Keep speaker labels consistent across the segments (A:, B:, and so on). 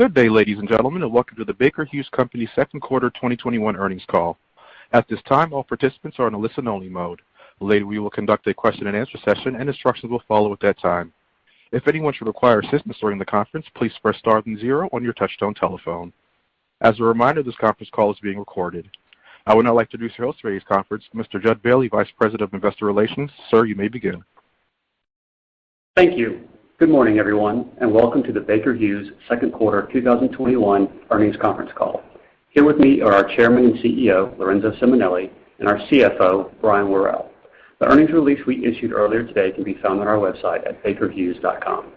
A: Good day, ladies and gentlemen, welcome to the Baker Hughes Company Q2 2021 Earnings Call. At this time our participants are on listen-only mode. Later we will conduct question and answer session and instruction will follow that time. If any one should require assistance during the conference, please press zero on your touchtone telephone. As a reminder this conference is being recorded. I would now like to introduce your host for today's conference, Mr. Jud Bailey, Vice President of Investor Relations. Sir, you may begin.
B: Thank you. Good morning, everyone, and welcome to the Baker Hughes Q2 2021 earnings conference call. Here with me are our Chairman and CEO, Lorenzo Simonelli, and our CFO, Brian Worrell. The earnings release we issued earlier today can be found on our website at bakerhughes.com.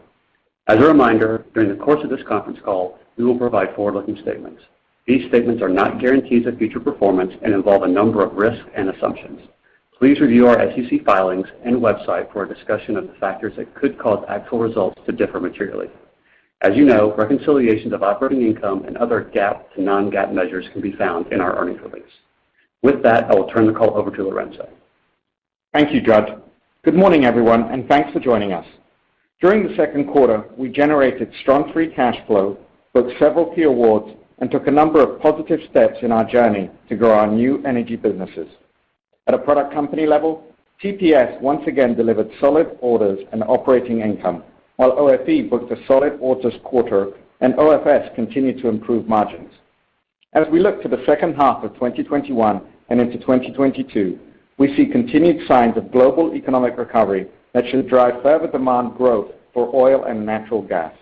B: As a reminder, during the course of this conference call, we will provide forward-looking statements. These statements are not guarantees of future performance and involve a number of risks and assumptions. Please review our SEC filings and website for a discussion of the factors that could cause actual results to differ materially. As you know, reconciliations of operating income and other GAAP to non-GAAP measures can be found in our earnings release. With that, I will turn the call over to Lorenzo.
C: Thank you, Jud. Good morning, everyone, and thanks for joining us. During the Q2, we generated strong free cash flow, booked several key awards, and took a number of positive steps in our journey to grow our new energy businesses. At a product company level, TPS once again delivered solid orders and operating income, while OFE booked a solid orders quarter and OFS continued to improve margins. As we look to the H2 of 2021 and into 2022, we see continued signs of global economic recovery that should drive further demand growth for oil and natural gas.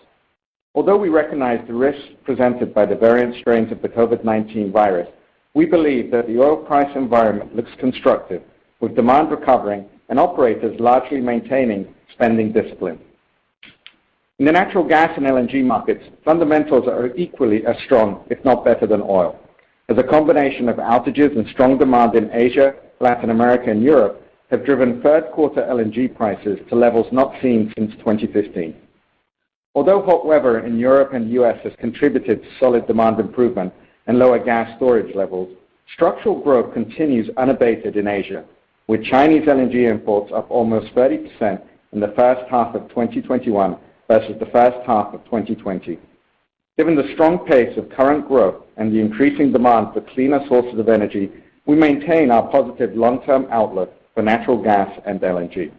C: Although we recognize the risks presented by the various strains of the COVID-19 virus, we believe that the oil price environment looks constructive, with demand recovering and operators largely maintaining spending discipline. In the natural gas and LNG markets, fundamentals are equally as strong, if not better than oil, as a combination of outages and strong demand in Asia, Latin America, and Europe have driven Q3 LNG prices to levels not seen since 2015. Although hot weather in Europe and the U.S. has contributed to solid demand improvement and lower gas storage levels, structural growth continues unabated in Asia, with Chinese LNG imports up almost 30% in the H1 of 2021 versus the H1 of 2020. Given the strong pace of current growth and the increasing demand for cleaner sources of energy, we maintain our positive long-term outlook for natural gas and LNG.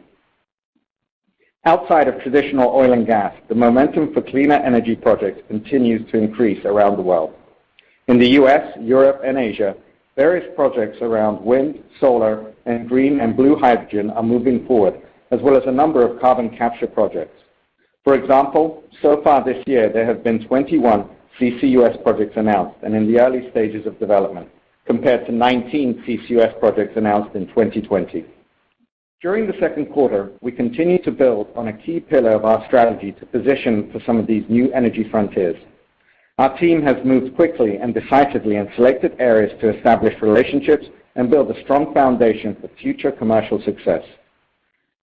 C: Outside of traditional oil and gas, the momentum for cleaner energy projects continues to increase around the world. In the U.S., Europe and Asia, various projects around wind, solar, and green and blue hydrogen are moving forward, as well as a number of carbon capture projects. For example, so far this year, there have been 21 CCUS projects announced and in the early stages of development, compared to 19 CCUS projects announced in 2020. During the Q2, we continued to build on a key pillar of our strategy to position for some of these new energy frontiers. Our team has moved quickly and decisively in selected areas to establish relationships and build a strong foundation for future commercial success.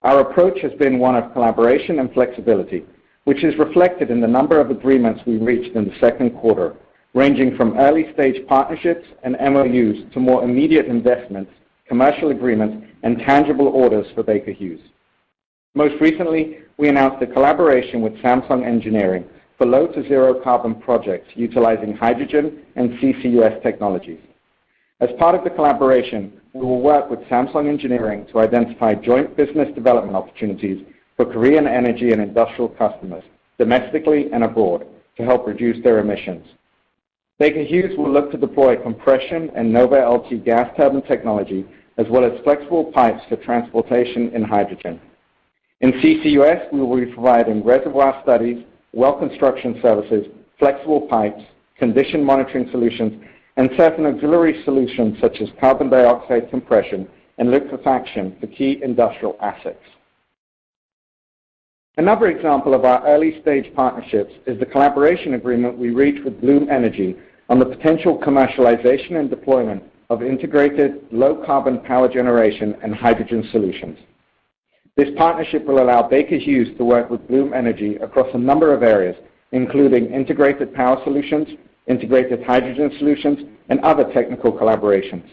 C: Our approach has been one of collaboration and flexibility, which is reflected in the number of agreements we've reached in the Q2, ranging from early-stage partnerships and MOUs to more immediate investments, commercial agreements, and tangible orders for Baker Hughes. Most recently, we announced a collaboration with Samsung Engineering for low-to-zero carbon projects utilizing hydrogen and CCUS technologies. As part of the collaboration, we will work with Samsung Engineering to identify joint business development opportunities for Korean energy and industrial customers, domestically and abroad, to help reduce their emissions. Baker Hughes will look to deploy compression and NovaLT gas turbine technology, as well as flexible pipes for transportation of hydrogen. In CCUS, we will be providing reservoir studies, well construction services, flexible pipes, condition monitoring solutions, and certain auxiliary solutions such as carbon dioxide compression and liquefaction for key industrial assets. Another example of our early-stage partnerships is the collaboration agreement we reached with Bloom Energy on the potential commercialization and deployment of integrated low-carbon power generation and hydrogen solutions. This partnership will allow Baker Hughes to work with Bloom Energy across a number of areas, including integrated power solutions, integrated hydrogen solutions, and other technical collaborations.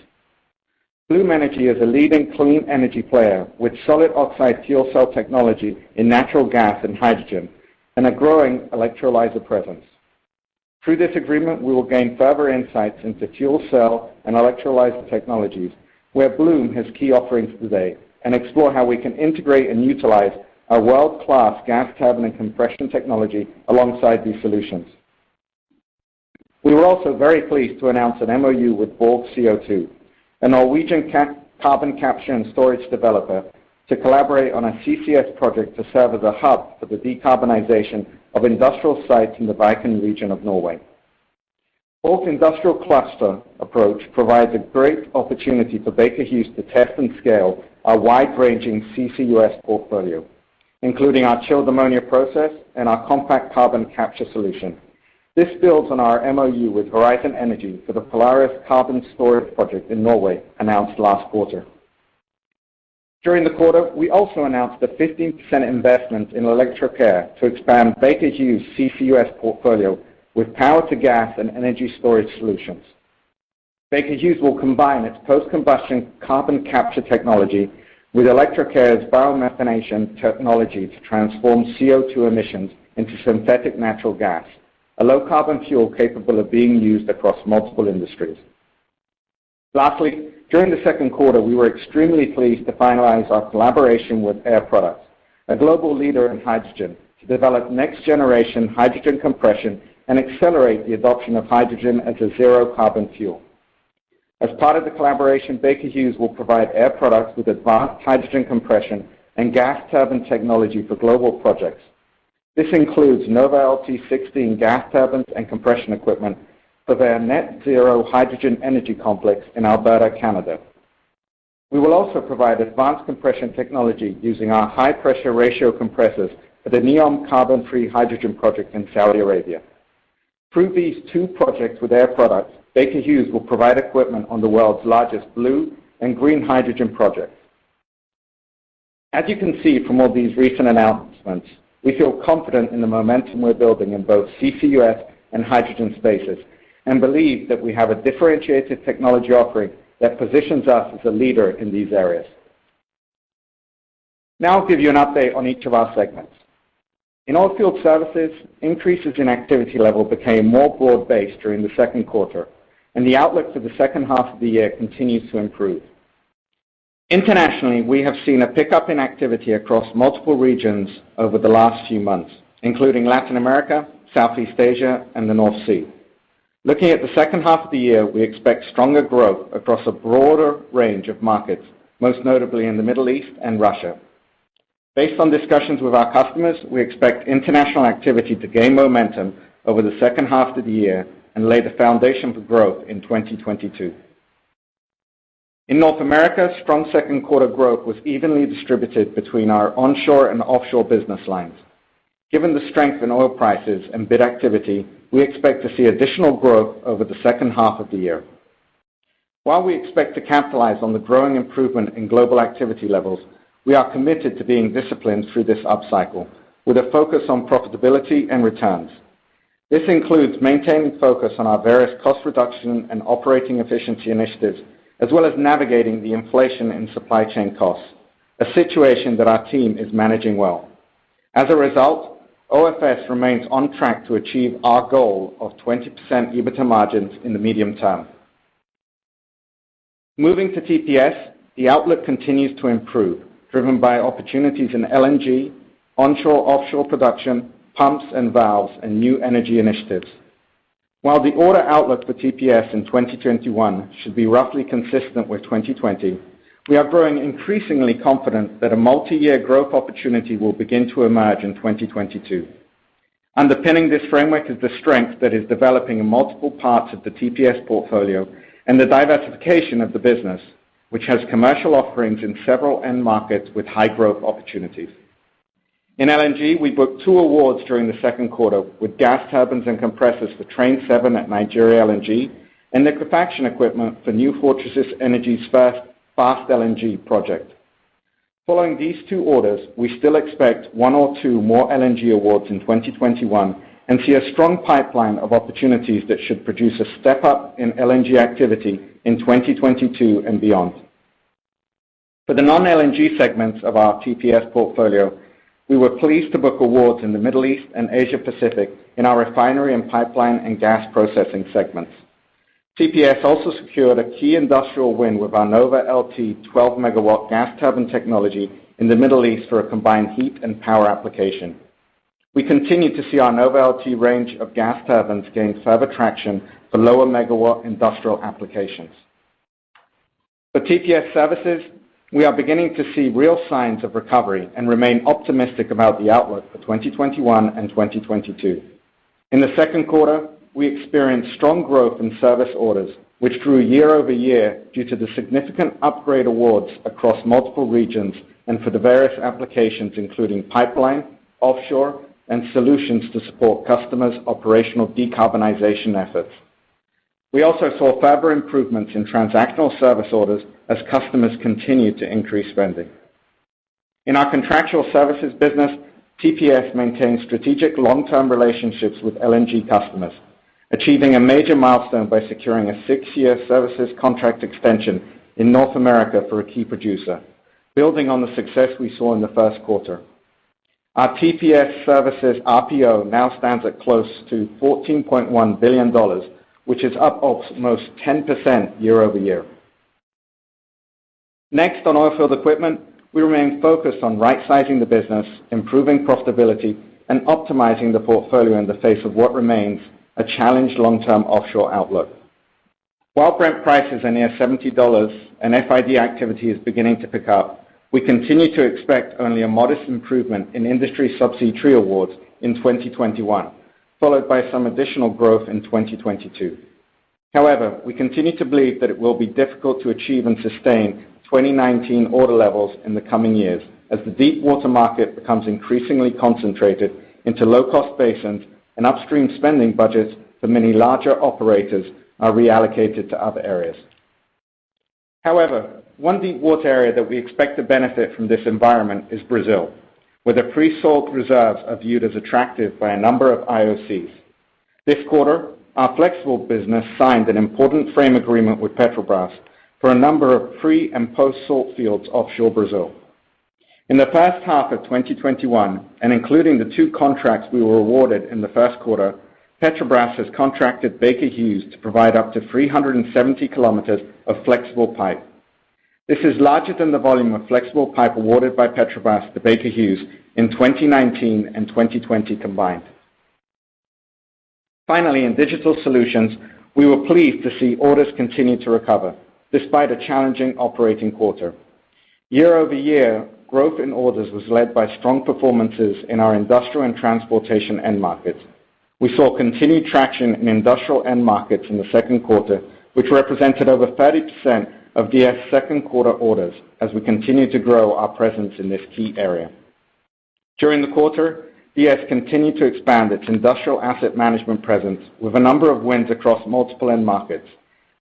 C: Bloom Energy is a leading clean energy player with solid oxide fuel cell technology in natural gas and hydrogen, and a growing electrolyzer presence. Through this agreement, we will gain further insights into fuel cell and electrolyzer technologies, where Bloom has key offerings today, and explore how we can integrate and utilize our world-class gas turbine and compression technology alongside these solutions. We were also very pleased to announce an MOU with Borg CO2, a Norwegian carbon capture and storage developer, to collaborate on a CCS project to serve as a hub for the decarbonization of industrial sites in the Viken region of Norway. Borg Industrial Cluster approach provides a great opportunity for Baker Hughes to test and scale our wide-ranging CCUS portfolio, including our chilled ammonia process and our Compact Carbon Capture solution. This builds on our MOU with Horisont Energi for the Polaris carbon storage project in Norway announced last quarter. During the quarter, we also announced a 15% investment in Electrochaea to expand Baker Hughes' CCUS portfolio with power to gas and energy storage solutions. Baker Hughes will combine its post-combustion carbon capture technology with Electrochaea's biomethanation technology to transform CO2 emissions into synthetic natural gas, a low-carbon fuel capable of being used across multiple industries. Lastly, during the Q2, we were extremely pleased to finalize our collaboration with Air Products, a global leader in hydrogen, to develop next-generation hydrogen compression and accelerate the adoption of hydrogen as a zero-carbon fuel. As part of the collaboration, Baker Hughes will provide Air Products with advanced hydrogen compression and gas turbine technology for global projects. This includes NovaLT 16 gas turbines and compression equipment for their net zero hydrogen energy complex in Alberta, Canada. We will also provide advanced compression technology using our high-pressure ratio compressors for the NEOM carbon-free hydrogen project in Saudi Arabia. Through these two projects with Air Products, Baker Hughes will provide equipment on the world's largest blue and green hydrogen projects. As you can see from all these recent announcements, we feel confident in the momentum we're building in both CCUS and hydrogen spaces, and believe that we have a differentiated technology offering that positions us as a leader in these areas. Now I'll give you an update on each of our segments. In Oilfield Services, increases in activity level became more broad-based during the Q2, and the outlook for the H2 of the year continues to improve. Internationally, we have seen a pickup in activity across multiple regions over the last few months, including Latin America, Southeast Asia, and the North Sea. Looking at the H2 of the year, we expect stronger growth across a broader range of markets, most notably in the Middle East and Russia. Based on discussions with our customers, we expect international activity to gain momentum over the H2 of the year and lay the foundation for growth in 2022. In North America, strong Q2 growth was evenly distributed between our onshore and offshore business lines. Given the strength in oil prices and bid activity, we expect to see additional growth over the H2 of the year. While we expect to capitalize on the growing improvement in global activity levels, we are committed to being disciplined through this upcycle with a focus on profitability and returns. This includes maintaining focus on our various cost reduction and operating efficiency initiatives, as well as navigating the inflation in supply chain costs, a situation that our team is managing well. As a result, OFS remains on track to achieve our goal of 20% EBITDA margins in the medium term. Moving to TPS, the outlook continues to improve, driven by opportunities in LNG, onshore/offshore production, pumps and valves, and new energy initiatives. While the order outlook for TPS in 2021 should be roughly consistent with 2020, we are growing increasingly confident that a multi-year growth opportunity will begin to emerge in 2022. Underpinning this framework is the strength that is developing in multiple parts of the TPS portfolio and the diversification of the business, which has commercial offerings in several end markets with high growth opportunities. In LNG, we booked two awards during the Q2 with gas turbines and compressors for Train 7 at Nigeria LNG, and liquefaction equipment for New Fortress Energy's first Fast LNG project. Following these two orders, we still expect one or two more LNG awards in 2021 and see a strong pipeline of opportunities that should produce a step-up in LNG activity in 2022 and beyond. For the non-LNG segments of our TPS portfolio, we were pleased to book awards in the Middle East and Asia Pacific in our refinery and pipeline and gas processing segments. TPS also secured a key industrial win with our NovaLT™12 MW gas turbine technology in the Middle East for a combined heat and power application. We continue to see our NovaLT™ range of gas turbines gain further traction for lower MW industrial applications. For TPS services, we are beginning to see real signs of recovery and remain optimistic about the outlook for 2021 and 2022. In the Q2, we experienced strong growth in service orders, which grew YoY due to the significant upgrade awards across multiple regions and for the various applications, including pipeline, offshore, and solutions to support customers' operational decarbonization efforts. We also saw further improvements in transactional service orders as customers continued to increase spending. In our contractual services business, TPS maintains strategic long-term relationships with LNG customers, achieving a major milestone by securing a six-year services contract extension in North America for a key producer, building on the success we saw in the Q1. Our TPS services RPO now stands at close to $14.1 billion, which is up almost 10% YoY. Next, on Oilfield Equipment, we remain focused on right-sizing the business, improving profitability, and optimizing the portfolio in the face of what remains a challenged long-term offshore outlook. While Brent prices are near $70 and FID activity is beginning to pick up, we continue to expect only a modest improvement in industry subsea tree awards in 2021, followed by some additional growth in 2022. However, we continue to believe that it will be difficult to achieve and sustain 2019 order levels in the coming years as the deepwater market becomes increasingly concentrated into low-cost basins and upstream spending budgets for many larger operators are reallocated to other areas. One deepwater area that we expect to benefit from this environment is Brazil, where the pre-salt reserves are viewed as attractive by a number of IOCs. This quarter, our flexible business signed an important frame agreement with Petrobras for a number of pre- and post-salt fields offshore Brazil. In the H1 of 2021, and including the two contracts we were awarded in the Q1, Petrobras has contracted Baker Hughes to provide up to 370 km of flexible pipe. This is larger than the volume of flexible pipe awarded by Petrobras to Baker Hughes in 2019 and 2020 combined. Finally, in digital solutions, we were pleased to see orders continue to recover despite a challenging operating quarter. YoY, growth in orders was led by strong performances in our industrial and transportation end markets. We saw continued traction in industrial end markets in the Q2, which represented over 30% of DS Q2 orders as we continue to grow our presence in this key area. During the quarter, DS continued to expand its industrial asset management presence with a number of wins across multiple end markets.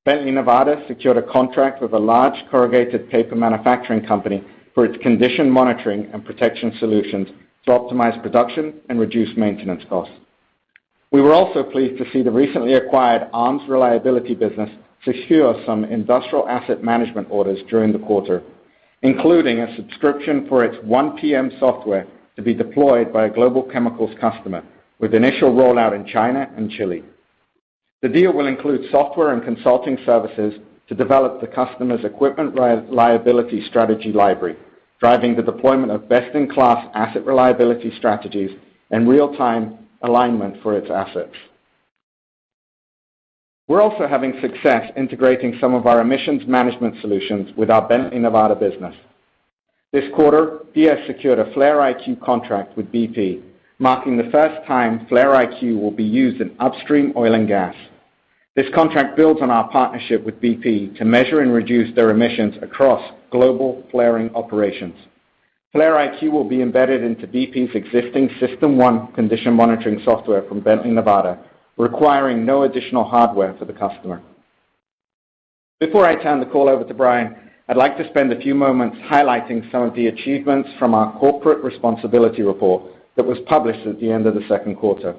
C: Bently Nevada secured a contract with a large corrugated paper manufacturing company for its condition monitoring and protection solutions to optimize production and reduce maintenance costs. We were also pleased to see the recently acquired ARMS Reliability business secure some industrial asset management orders during the quarter, including a subscription for it's OnePM software to be deployed by a global chemicals customer, with initial rollout in China and Chile. The deal will include software and consulting services to develop the customer's equipment reliability strategy library, driving the deployment of best-in-class asset reliability strategies and real-time alignment for its assets. We're also having success integrating some of our emissions management solutions with our Bently Nevada business. This quarter, DS secured a flare. IQ contract with BP, marking the first time flare. IQ will be used in upstream oil and gas. This contract builds on our partnership with BP to measure and reduce their emissions across global flaring operations. flare. IQ will be embedded into BP's existing System 1 condition monitoring software from Bently Nevada, requiring no additional hardware for the customer. Before I turn the call over to Brian, I'd like to spend a few moments highlighting some of the achievements from our corporate responsibility report that was published at the end of the Q2.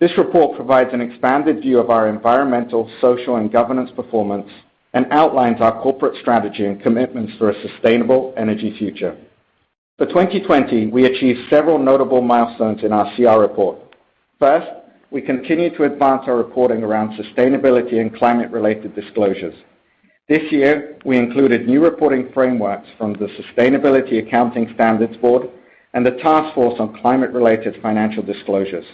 C: This report provides an expanded view of our environmental, social, and governance performance and outlines our corporate strategy and commitments for a sustainable energy future. For 2020, we achieved several notable milestones in our CR report. First, we continued to advance our reporting around sustainability and climate-related disclosures. This year, we included new reporting frameworks from the Sustainability Accounting Standards Board and the Task Force on Climate-related Financial Disclosures.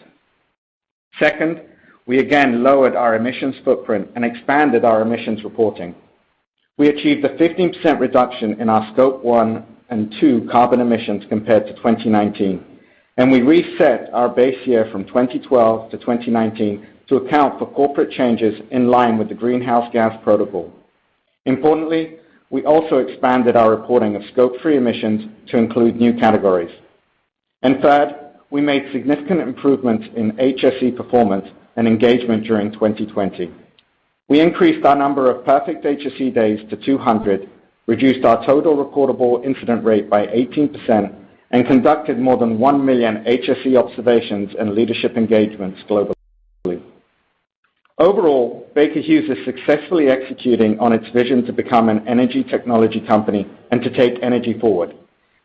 C: Second, we again lowered our emissions footprint and expanded our emissions reporting. We achieved a 15% reduction in our Scope 1 and 2 carbon emissions compared to 2019, and we reset our base year from 2012 to 2019 to account for corporate changes in line with the Greenhouse Gas Protocol. Importantly, we also expanded our reporting of Scope 3 emissions to include new categories. Third, we made significant improvements in HSE performance and engagement during 2020. We increased our number of perfect HSE days to 200, reduced our total recordable incident rate by 18%, and conducted more than one million HSE observations and leadership engagements globally. Overall, Baker Hughes is successfully executing on its vision to become an energy technology company and to take energy forward,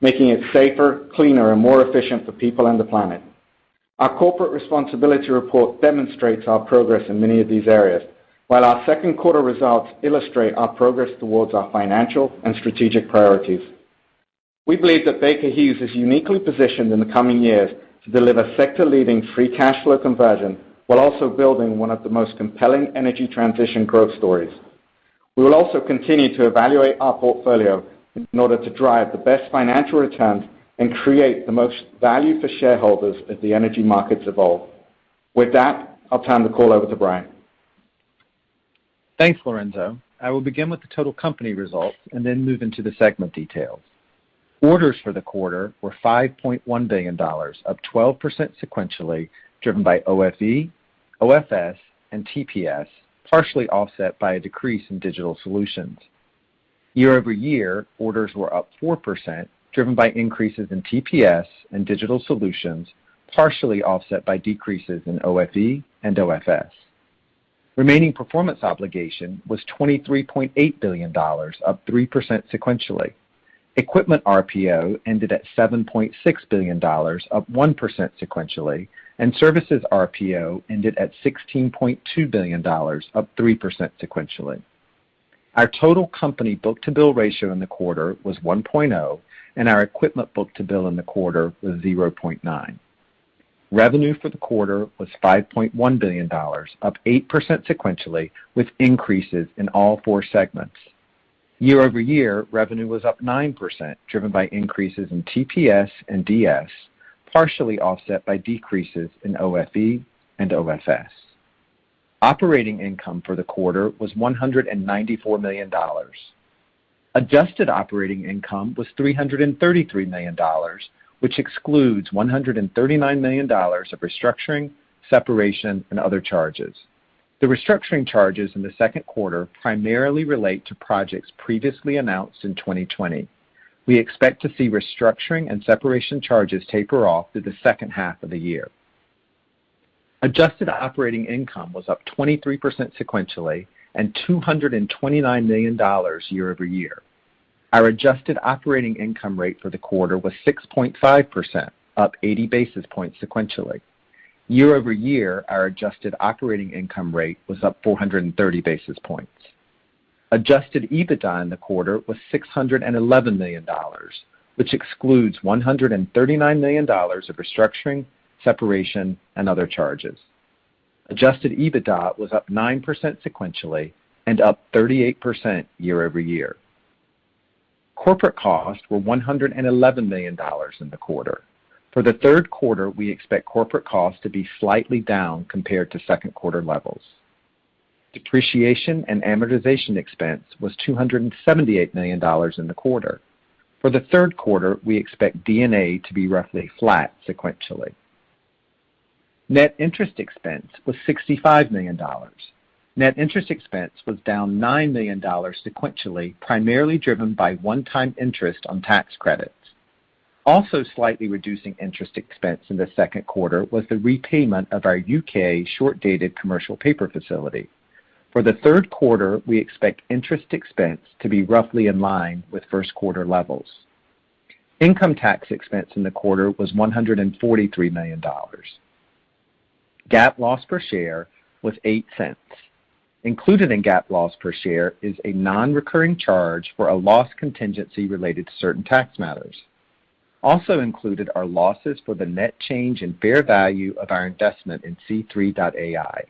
C: making it safer, cleaner, and more efficient for people and the planet. Our Corporate Responsibility Report demonstrates our progress in many of these areas, while our Q2 results illustrate our progress towards our financial and strategic priorities. We believe that Baker Hughes is uniquely positioned in the coming years to deliver sector-leading free cash flow conversion while also building one of the most compelling energy transition growth stories. We will also continue to evaluate our portfolio in order to drive the best financial returns and create the most value for shareholders as the energy markets evolve. With that, I'll turn the call over to Brian.
D: Thanks, Lorenzo. I will begin with the total company results and then move into the segment details. Orders for the quarter were $5.1 billion, up 12% sequentially, driven by OFE, OFS, and TPS, partially offset by a decrease in Digital Solutions. YoY, orders were up 4%, driven by increases in TPS and Digital Solutions, partially offset by decreases in OFE and OFS. Remaining performance obligation was $23.8 billion, up 3% sequentially. Equipment RPO ended at $7.6 billion, up 1% sequentially, and services RPO ended at $16.2 billion, up 3% sequentially. Our total company book-to-bill ratio in the quarter was 1.0, and our equipment book-to-bill in the quarter was 0.9. Revenue for the quarter was $5.1 billion, up 8% sequentially, with increases in all four segments. YoY, revenue was up 9%, driven by increases in TPS and DS, partially offset by decreases in OFE and OFS. Operating income for the quarter was $194 million. Adjusted operating income was $333 million, which excludes $139 million of restructuring, separation, and other charges. The restructuring charges in the Q2 primarily relate to projects previously announced in 2020. We expect to see restructuring and separation charges taper off through the H2 of the year. Adjusted operating income was up 23% sequentially and $229 million YoY. Our adjusted operating income rate for the quarter was 6.5%, up 80 basis points sequentially. YoY, our adjusted operating income rate was up 430 basis points. Adjusted EBITDA in the quarter was $611 million, which excludes $139 million of restructuring, separation, and other charges. Adjusted EBITDA was up 9% sequentially and up 38% YoY. Corporate costs were $111 million in the quarter. For the Q3, we expect corporate costs to be slightly down compared to Q2 levels. Depreciation and amortization expense was $278 million in the quarter. For the Q3, we expect D&A to be roughly flat sequentially. Net interest expense was $65 million. Net interest expense was down $9 million sequentially, primarily driven by one-time interest on tax credits. Also slightly reducing interest expense in the Q2 was the repayment of our U.K. short-dated commercial paper facility. For the Q3, we expect interest expense to be roughly in line with Q1 levels. Income tax expense in the quarter was $143 million. GAAP loss per share was $0.08. Included in GAAP loss per share is a non-recurring charge for a loss contingency related to certain tax matters. Also included are losses for the net change in fair value of our investment in C3.ai.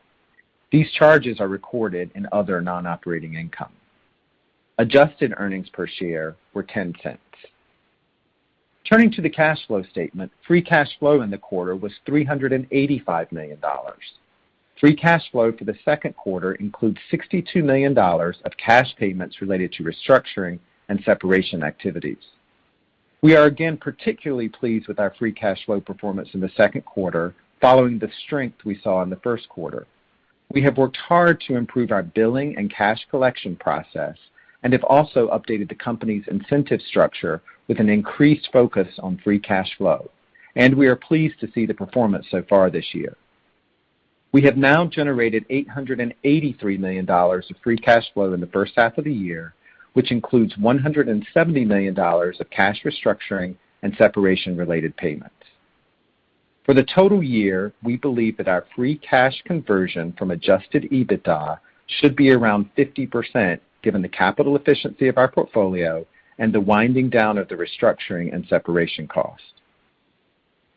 D: These charges are recorded in other non-operating income. Adjusted earnings per share were $0.10. Turning to the cash flow statement, free cash flow in the quarter was $385 million. Free cash flow for the Q2 includes $62 million of cash payments related to restructuring and separation activities. We are again particularly pleased with our free cash flow performance in the Q2 following the strength we saw in the Q1. We have worked hard to improve our billing and cash collection process and have also updated the company's incentive structure with an increased focus on free cash flow, and we are pleased to see the performance so far this year. We have now generated $883 million of free cash flow in the H1 of the year, which includes $170 million of cash restructuring and separation-related payments. For the total year, we believe that our free cash conversion from adjusted EBITDA should be around 50% given the capital efficiency of our portfolio and the winding down of the restructuring and separation cost.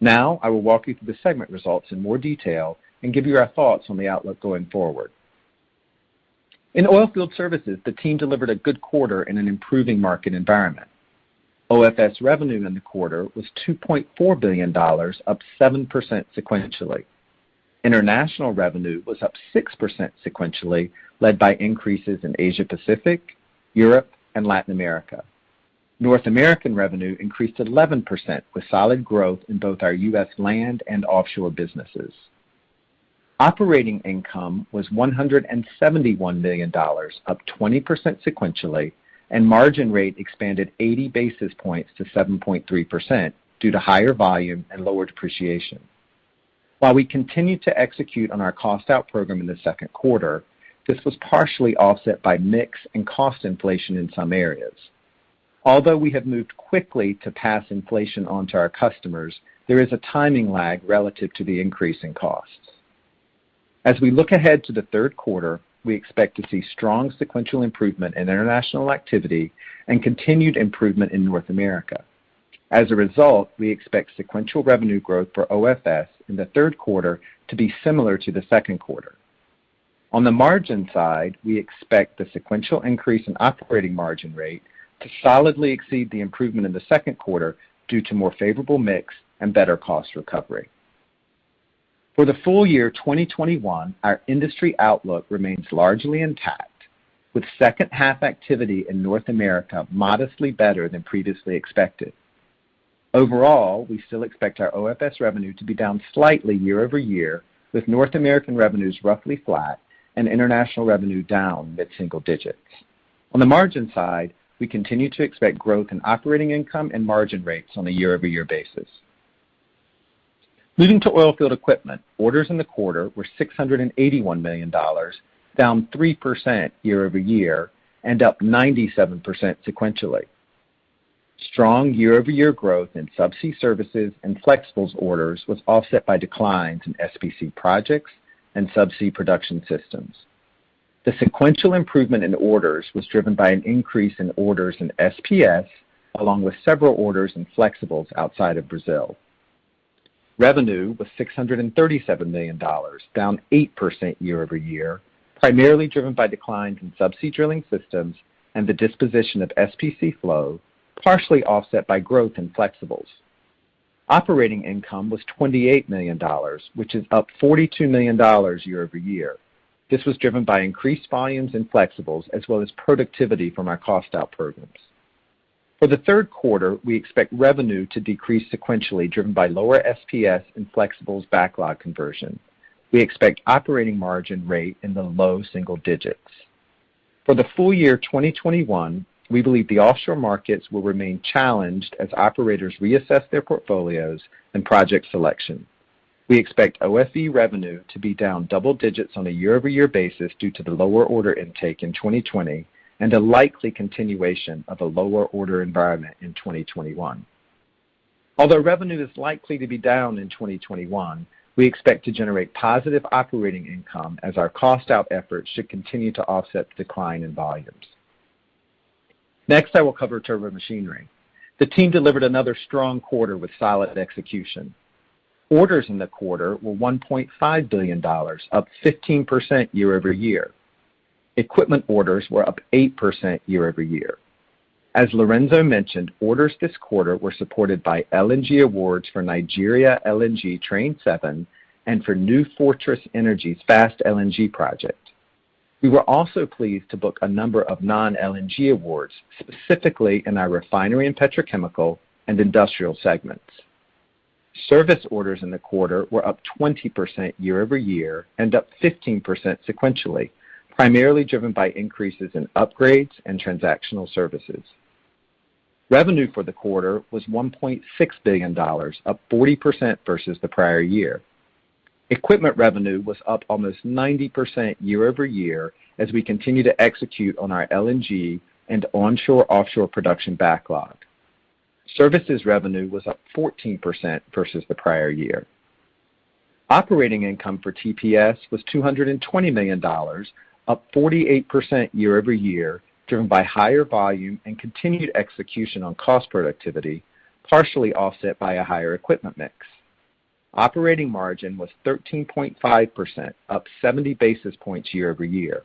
D: I will walk you through the segment results in more detail and give you our thoughts on the outlook going forward. In Oilfield Services, the team delivered a good quarter in an improving market environment. OFS revenue in the quarter was $2.4 billion, up 7% sequentially. International revenue was up 6% sequentially, led by increases in Asia Pacific, Europe, and Latin America. North American revenue increased 11% with solid growth in both our U.S. land and offshore businesses. Operating income was $171 million, up 20% sequentially, and margin rate expanded 80 basis points to 7.3% due to higher volume and lower depreciation. While we continued to execute on our cost-out program in the Q2, this was partially offset by mix and cost inflation in some areas. Although we have moved quickly to pass inflation on to our customers, there is a timing lag relative to the increase in costs. As we look ahead to the Q3, we expect to see strong sequential improvement in international activity and continued improvement in North America. As a result, we expect sequential revenue growth for OFS in the Q3 to be similar to the Q2. On the margin side, we expect the sequential increase in operating margin rate to solidly exceed the improvement in the Q2 due to more favorable mix and better cost recovery. For the full year 2021, our industry outlook remains largely intact, with H2 activity in North America modestly better than previously expected. Overall, we still expect our OFS revenue to be down slightly YoY, with North American revenues roughly flat and international revenue down mid-single digits. On the margin side, we continue to expect growth in operating income and margin rates on a YoY basis. Moving to Oilfield Equipment, orders in the quarter were $681 million, down 3% YoY and up 97% sequentially. Strong YoY growth in subsea services and flexibles orders was offset by declines in SPC projects and Subsea Production Systems. The sequential improvement in orders was driven by an increase in orders in SPS, along with several orders in flexibles outside of Brazil. Revenue was $637 million, down 8% YoY, primarily driven by declines in subsea drilling systems and the disposition of SPC Flow, partially offset by growth in Flexibles. Operating income was $28 million, which is up $42 million YoY. This was driven by increased volumes in Flexibles as well as productivity from our cost-out programs. For the Q3, we expect revenue to decrease sequentially, driven by lower SPS and Flexibles backlog conversion. We expect operating margin rate in the low single digits. For the full year 2021, we believe the offshore markets will remain challenged as operators reassess their portfolios and project selection. We expect OFE revenue to be down double digits on a YoY basis due to the lower order intake in 2020 and a likely continuation of a lower order environment in 2021. Although revenue is likely to be down in 2021, we expect to generate positive operating income as our cost-out efforts should continue to offset the decline in volumes. Next, I will cover Turbomachinery. The team delivered another strong quarter with solid execution. Orders in the quarter were $1.5 billion, up 15% YoY. Equipment orders were up 8% YoY. As Lorenzo mentioned, orders this quarter were supported by LNG awards for Nigeria LNG Train 7 and for New Fortress Energy's Fast LNG project. We were also pleased to book a number of non-LNG awards, specifically in our refinery and petrochemical and industrial segments. Service orders in the quarter were up 20% YoY and up 15% sequentially, primarily driven by increases in upgrades and transactional services. Revenue for the quarter was $1.6 billion, up 40% versus the prior year. Equipment revenue was up almost 90% YoY as we continue to execute on our LNG and onshore/offshore production backlog. Services revenue was up 14% versus the prior year. Operating income for TPS was $220 million, up 48% YoY, driven by higher volume and continued execution on cost productivity, partially offset by a higher equipment mix. Operating margin was 13.5%, up 70 basis points YoY.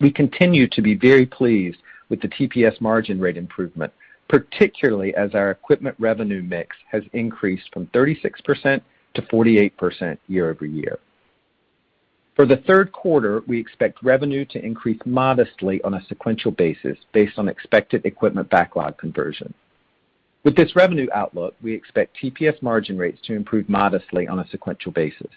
D: We continue to be very pleased with the TPS margin rate improvement, particularly as our equipment revenue mix has increased from 36% to 48% YoY. For the Q3, we expect revenue to increase modestly on a sequential basis based on expected equipment backlog conversion. With this revenue outlook, we expect TPS margin rates to improve modestly on a sequential basis.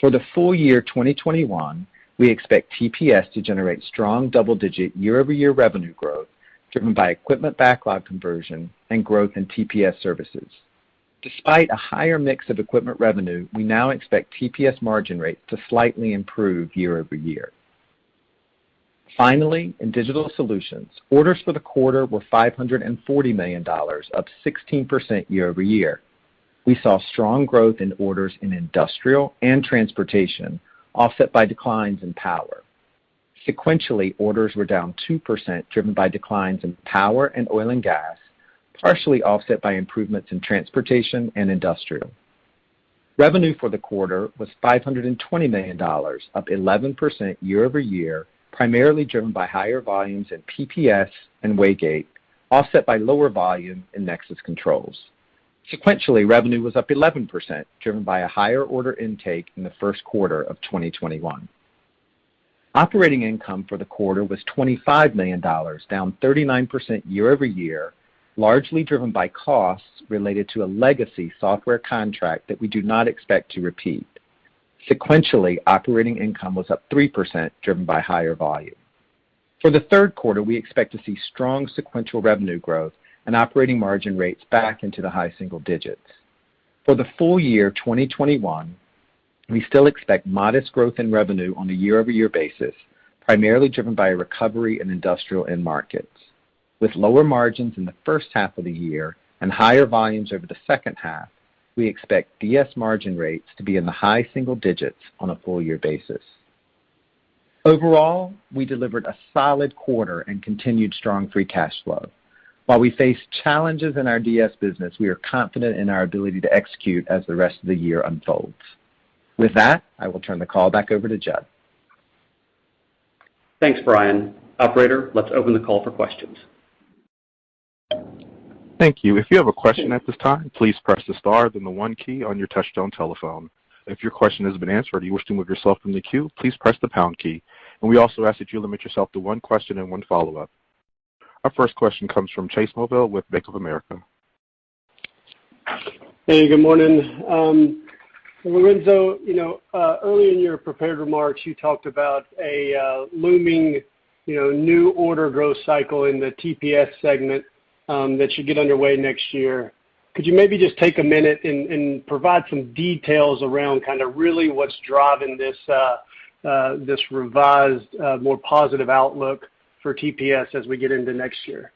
D: For the full year 2021, we expect TPS to generate strong double-digit YoY revenue growth, driven by equipment backlog conversion and growth in TPS services. Despite a higher mix of equipment revenue, we now expect TPS margin rates to slightly improve YoY. In Digital Solutions, orders for the quarter were $540 million, up 16% YoY. We saw strong growth in orders in industrial and transportation offset by declines in power. Sequentially, orders were down 2%, driven by declines in power and oil and gas, partially offset by improvements in transportation and industrial. Revenue for the quarter was $520 million, up 11% YoY, primarily driven by higher volumes in PPS and Waygate, offset by lower volume in Nexus Controls. Sequentially, revenue was up 11%, driven by a higher order intake in the Q1 of 2021. Operating income for the quarter was $25 million, down 39% YoY, largely driven by costs related to a legacy software contract that we do not expect to repeat. Sequentially, operating income was up 3%, driven by higher volume. For the Q3, we expect to see strong sequential revenue growth and operating margin rates back into the high single digits. For the full year 2021, we still expect modest growth in revenue on a YoY basis, primarily driven by a recovery in industrial end markets. With lower margins in the H1 of the year and higher volumes over the H2, we expect DS margin rates to be in the high single digits on a full-year basis. Overall, we delivered a solid quarter and continued strong free cash flow. While we face challenges in our DS business, we are confident in our ability to execute as the rest of the year unfolds. With that, I will turn the call back over to Jud.
B: Thanks, Brian. Operator, let's open the call for questions.
A: Thank you. If you have a question at this time, please star then one key on your touchtone keypad. If your question has been answered or wish to remove yourself from the queue, please press the pound key. We also ask that you limit yourself to one question and one follow-up. Our first question comes from Chase Mulvehill with Bank of America.
E: Hey, good morning. Lorenzo, early in your prepared remarks, you talked about a looming new order growth cycle in the TPS segment that should get underway next year. Could you maybe just take a minute and provide some details around kind of really what's driving this revised, more positive outlook for TPS as we get into next year?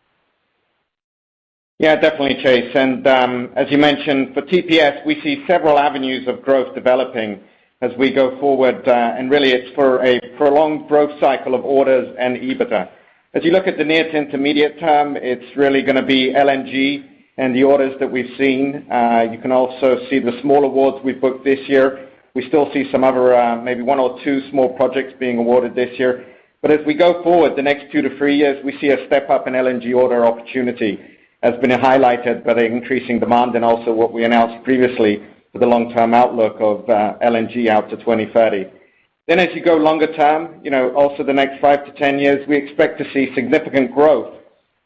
C: Yeah, definitely, Chase. As you mentioned, for TPS, we see several avenues of growth developing as we go forward, and really it's for a prolonged growth cycle of orders and EBITDA. As you look at the near to intermediate term, it's really going to be LNG and the orders that we've seen You can also see the small awards we've booked this year. We still see some other, maybe one or two small projects being awarded this year. As we go forward, the next two to three years, we see a step up in LNG order opportunity, has been highlighted by the increasing demand and also what we announced previously for the long-term outlook of LNG out to 2030. As you go longer term, also the next five to 10 years, we expect to see significant growth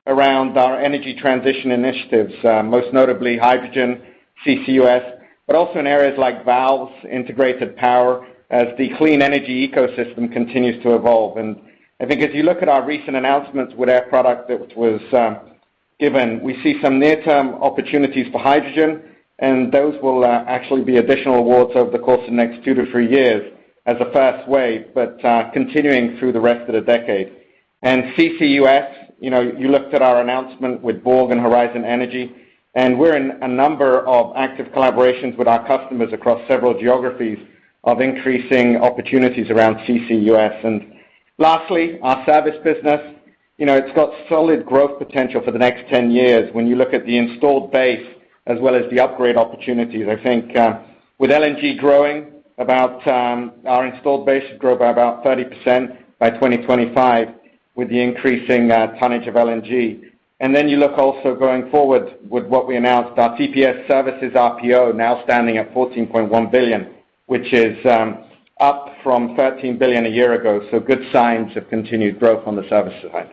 C: around our energy transition initiatives, most notably hydrogen, CCUS, but also in areas like valves, integrated power, as the clean energy ecosystem continues to evolve. I think if you look at our recent announcements with Air Products that was given, we see some near-term opportunities for hydrogen, and those will actually be additional awards over the course of the next tow to three years as a first wave, but continuing through the rest of the decade. CCUS, you looked at our announcement with Borg CO2 and Horisont Energi, and we're in a number of active collaborations with our customers across several geographies of increasing opportunities around CCUS. Lastly, our service business. It's got solid growth potential for the next 10 years when you look at the installed base as well as the upgrade opportunities. I think, with LNG growing, our installed base should grow by about 30% by 2025 with the increasing tonnage of LNG. You look also going forward with what we announced, our TPS services RPO now standing at $14.1 billion, which is up from $13 billion a year ago. Good signs of continued growth on the service side.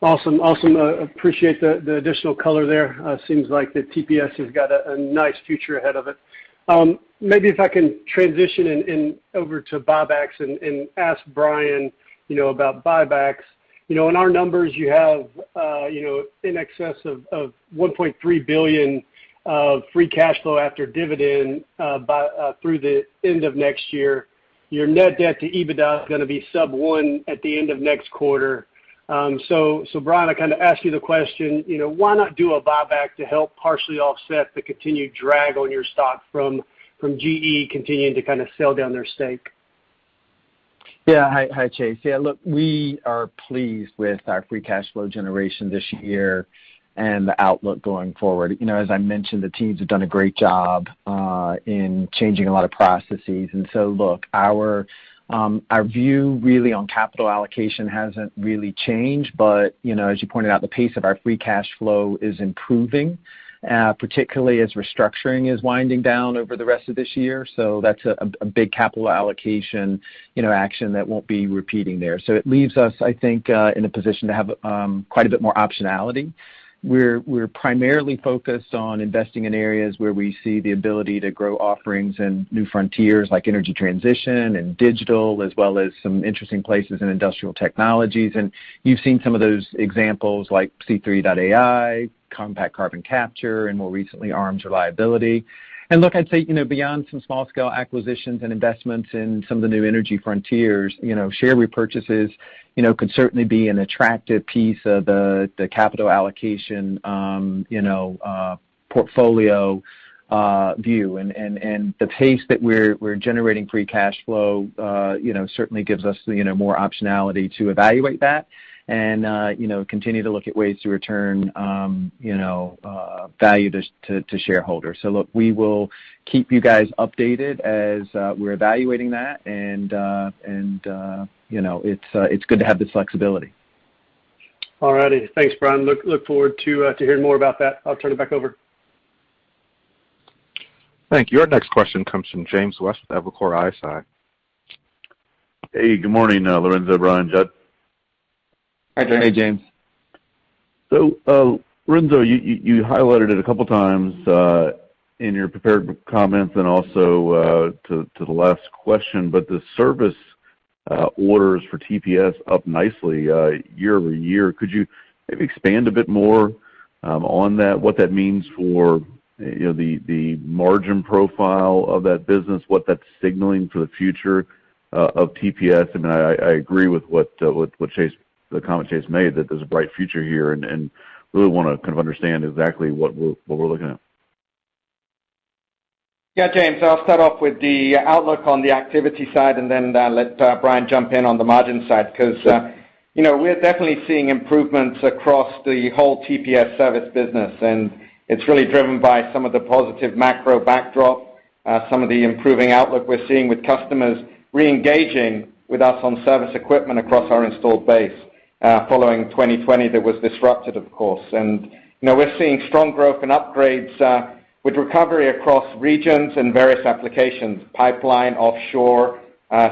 E: Awesome. Appreciate the additional color there. Seems like the TPS has got a nice future ahead of it. Maybe if I can transition over to buybacks and ask Brian Worrell about buybacks. In our numbers you have in excess of $1.3 billion of free cash flow after dividend through the end of next year. Your net debt to EBITDA is going to be sub one at the end of next quarter. Brian, I ask you the question, why not do a buyback to help partially offset the continued drag on your stock from GE continuing to sell down their stake?
D: Yeah. Hi, Chase. Look, we are pleased with our free cash flow generation this year and the outlook going forward. As I mentioned, the teams have done a great job in changing a lot of processes. Look, our view really on capital allocation hasn't really changed. As you pointed out, the pace of our free cash flow is improving, particularly as restructuring is winding down over the rest of this year. That's a big capital allocation action that won't be repeating there. It leaves us, I think, in a position to have quite a bit more optionality. We're primarily focused on investing in areas where we see the ability to grow offerings and new frontiers like energy transition and digital, as well as some interesting places in industrial technologies. You've seen some of those examples like C3.ai, Compact Carbon Capture, and more recently, ARMS Reliability. Look, I'd say, beyond some small-scale acquisitions and investments in some of the new energy frontiers, share repurchases could certainly be an attractive piece of the capital allocation portfolio view. The pace that we're generating free cash flow certainly gives us more optionality to evaluate that and continue to look at ways to return value to shareholders. Look, we will keep you guys updated as we're evaluating that. It's good to have the flexibility.
E: All righty. Thanks, Brian. Look forward to hearing more about that. I'll turn it back over.
A: Thank you. Our next question comes from James West of Evercore ISI.
F: Hey, good morning, Lorenzo, Brian, Jud.
C: Hi, James.
D: Hey, James.
F: Lorenzo, you highlighted it a couple times in your prepared comments and also to the last question, but the service orders for TPS up nicely YoY. Could you maybe expand a bit more on that, what that means for the margin profile of that business, what that's signaling for the future of TPS? I agree with the comment Chase made, that there's a bright future here, and really want to kind of understand exactly what we're looking at?
C: Yeah, James, I'll start off with the outlook on the activity side and then let Brian jump in on the margin side. We're definitely seeing improvements across the whole TPS service business, and it's really driven by some of the positive macro backdrop, some of the improving outlook we're seeing with customers reengaging with us on service equipment across our installed base following 2020 that was disrupted, of course. We're seeing strong growth in upgrades with recovery across regions and various applications, pipeline, offshore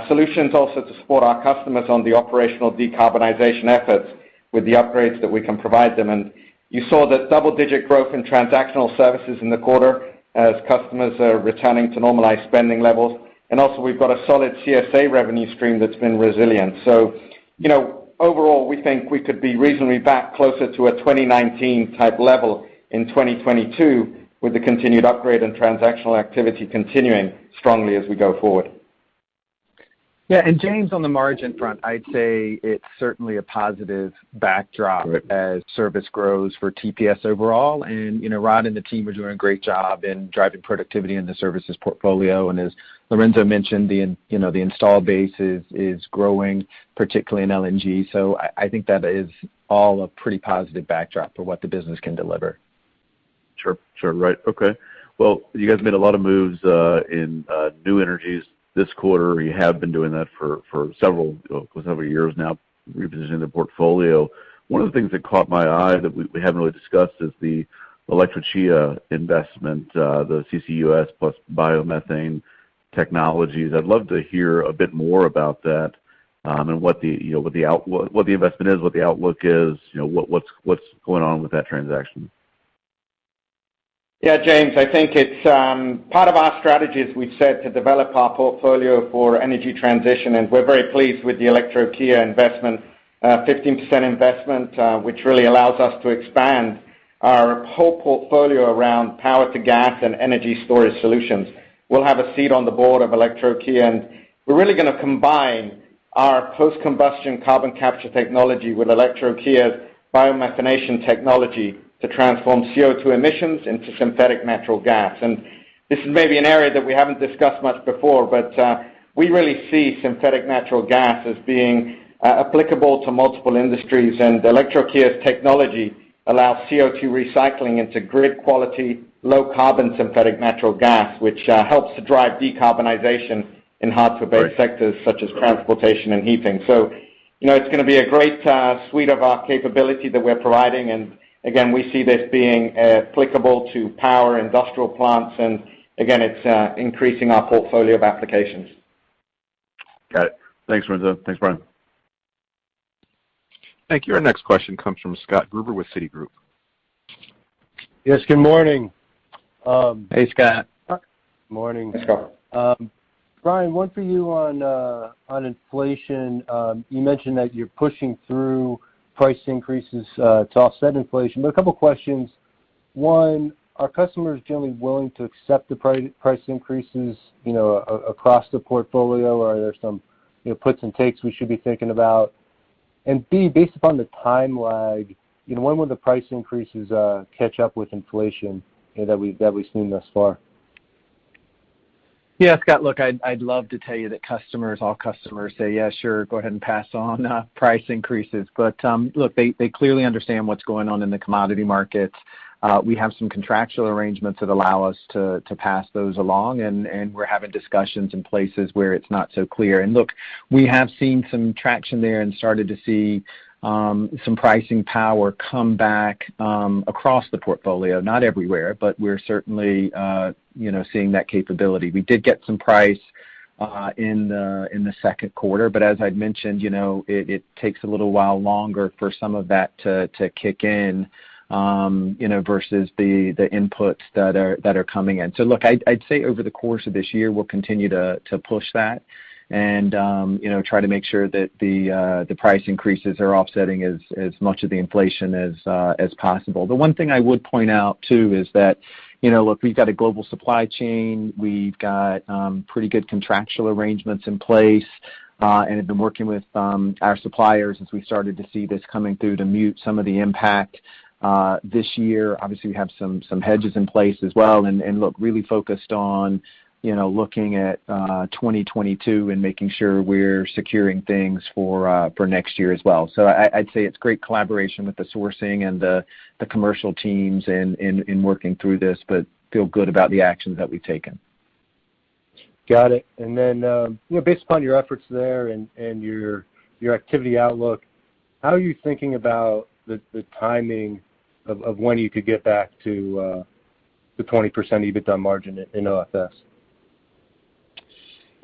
C: solutions also to support our customers on the operational decarbonization efforts with the upgrades that we can provide them. You saw the double-digit growth in transactional services in the quarter as customers are returning to normalized spending levels. Also we've got a solid CSA revenue stream that's been resilient. Overall, we think we could be reasonably back closer to a 2019 type level in 2022 with the continued upgrade and transactional activity continuing strongly as we go forward.
D: Yeah. James, on the margin front, I'd say it's certainly a positive backdrop as service grows for TPS overall. Rod and the team are doing a great job in driving productivity in the services portfolio. As Lorenzo mentioned, the install base is growing, particularly in LNG. I think that is all a pretty positive backdrop for what the business can deliver.
F: Sure. Right. Okay. Well, you guys made a lot of moves in new energies this quarter. You have been doing that for several years now, repositioning the portfolio. One of the things that caught my eye that we haven't really discussed is the Electrochaea investment, the CCUS plus biomethane technologies. I'd love to hear a bit more about that, and what the investment is, what the outlook is, what's going on with that transaction?
C: James, I think it's part of our strategy, as we've said, to develop our portfolio for energy transition. We're very pleased with the Electrochaea investment. 15% investment, which really allows us to expand our whole portfolio around power to gas and energy storage solutions. We'll have a seat on the board of Electrochaea. We're really going to combine our post-combustion carbon capture technology with Electrochaea's biomethanation technology to transform CO2 emissions into synthetic natural gas. This is maybe an area that we haven't discussed much before. We really see synthetic natural gas as being applicable to multiple industries. Electrochaea's technology allows CO2 recycling into grid quality, low carbon synthetic natural gas, which helps to drive decarbonization in hard-to-abate sectors such as transportation and heating. It's going to be a great suite of our capability that we're providing.
D: Again, we see this being applicable to power industrial plants, and again, it's increasing our portfolio of applications.
F: Got it. Thanks, Lorenzo. Thanks, Brian.
A: Thank you. Our next question comes from Scott Gruber with Citigroup.
G: Yes, good morning.
D: Hey, Scott.
C: Morning.
B: Hey, Scott.
G: Brian, one for you on inflation. You mentioned that you're pushing through price increases to offset inflation, but a couple of questions. One, are customers generally willing to accept the price increases across the portfolio, or are there some puts and takes we should be thinking about? B, based upon the time lag, when will the price increases catch up with inflation that we've seen thus far?
D: Yeah, Scott, look, I'd love to tell you that all customers say, "Yeah, sure, go ahead and pass on price increases." Look, they clearly understand what's going on in the commodity markets. We have some contractual arrangements that allow us to pass those along, and we're having discussions in places where it's not so clear. Look, we have seen some traction there and started to see some pricing power come back across the portfolio. Not everywhere, we're certainly seeing that capability. We did get some price in the Q2. As I'd mentioned, it takes a little while longer for some of that to kick in versus the inputs that are coming in. Look, I'd say over the course of this year, we'll continue to push that and try to make sure that the price increases are offsetting as much of the inflation as possible. The one thing I would point out, too, is that we've got a global supply chain, we've got pretty good contractual arrangements in place, have been working with our suppliers as we started to see this coming through to mute some of the impact this year. Obviously, we have some hedges in place as well, look, really focused on looking at 2022 and making sure we're securing things for next year as well. I'd say it's great collaboration with the sourcing and the commercial teams in working through this, but feel good about the actions that we've taken.
G: Got it. Based upon your efforts there and your activity outlook, how are you thinking about the timing of when you could get back to the 20% EBITDA margin in